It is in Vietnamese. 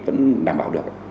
vẫn đảm bảo được